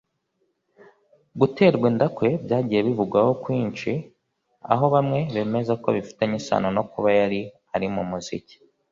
guterwa inda kwe byagiye bivugwaho kwishi aho bamwe bemeza ko bifitanye isano no kuba yari ari mu muziki